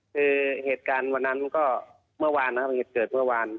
คือเหตุการณ์วันนั้นก็เมื่อวานนะครับเหตุเกิดเมื่อวาน